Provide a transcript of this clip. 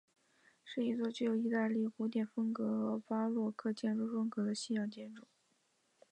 是一座具有意大利古典风格和巴洛克建筑风格的西洋建筑。